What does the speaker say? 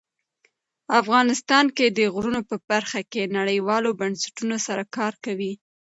افغانستان د غرونه په برخه کې نړیوالو بنسټونو سره کار کوي.